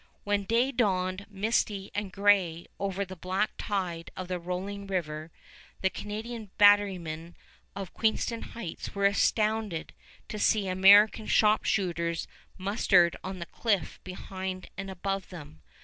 When day dawned misty and gray over the black tide of the rolling river, the Canadian batterymen of Queenston Heights were astounded to see American sharp shooters mustered on the cliff behind and above them.